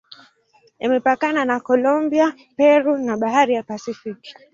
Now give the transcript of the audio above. Imepakana na Kolombia, Peru na Bahari ya Pasifiki.